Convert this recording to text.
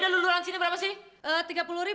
lumayan dapet satu ratus tiga puluh